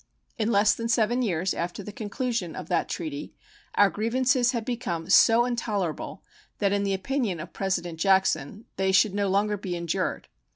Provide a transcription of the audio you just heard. In less than seven years after the conclusion of that treaty our grievances had become so intolerable that in the opinion of President Jackson they should no longer be endured.